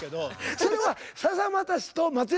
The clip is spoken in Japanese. それは。